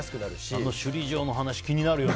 あの首里城の話気になるよね。